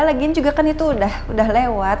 lagian juga kan itu udah lewat